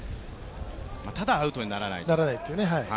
ただアウトにならないと。